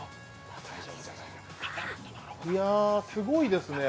いやあ、すごいですね。